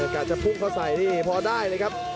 กะจะพุ่งเข้าใส่นี่พอได้เลยครับ